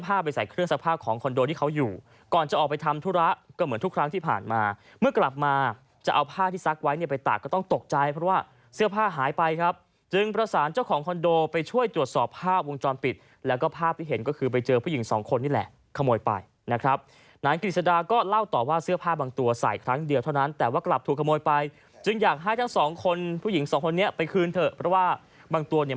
ผ้าไปใส่เครื่องซักผ้าของคอนโดที่เขาอยู่ก่อนจะออกไปทำธุระก็เหมือนทุกครั้งที่ผ่านมาเมื่อกลับมาจะเอาผ้าที่ซักไว้เนี้ยไปตากก็ต้องตกใจเพราะว่าเสื้อผ้าหายไปครับจึงประสานเจ้าของคอนโดไปช่วยตรวจสอบผ้าวงจรปิดแล้วก็ภาพที่เห็นก็คือไปเจอผู้หญิงสองคนนี่แหละขโมยไปนะครับหลานกริสดาก็เล่าต่อว